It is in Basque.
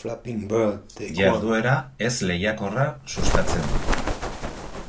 Jarduera ez lehiakorra sustatzen du.